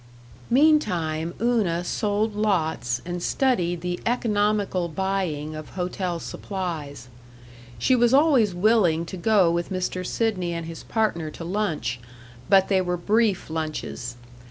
Meantime Una sold lots and studied the economical buying of hotel supplies. She was always willing to go with Mr. Sidney and his partner to lunch but they were brief lunches.